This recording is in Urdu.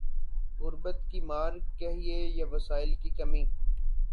غربت کی مار کہیے یا وسائل کی کمی۔